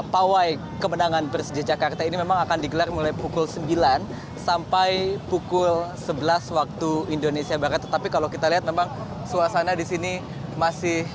pada hari ini saya akan menunjukkan kepada anda